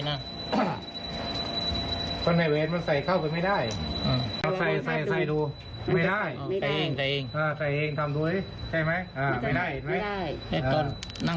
นั่งไปดู